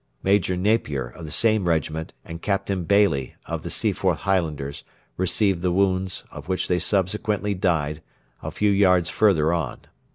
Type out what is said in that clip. Major Napier, of the same regiment, and Captain Baillie, of the Seaforth Highlanders, received the wounds, of which they subsequently died, a few yards further on.